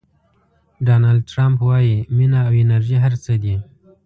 ډونالډ ټرمپ وایي مینه او انرژي هر څه دي.